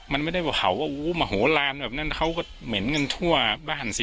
มันไม่ได้ว่าเขาว่ามโหลานแบบนั้นเขาก็เหม็นกันทั่วบ้านสิ